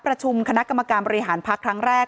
ประชุมคณะกรรมการบริหารพักครั้งแรก